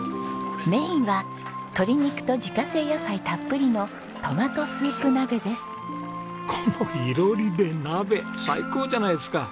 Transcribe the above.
メインは鶏肉と自家製野菜たっぷりのトマトスープ鍋です。